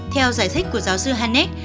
theo giải thích của giáo sư hanek